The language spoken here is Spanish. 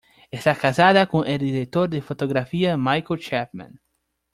Está casada con el director de fotografía Michael Chapman.